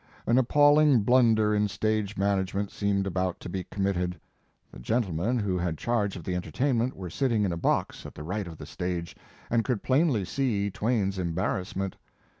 An appalling blunder in stage management seemed about to be committed. The gentlemen who had charge of the entertainment were sitting in a box at the right of the stage, and could plainly see Twain s em barrassment.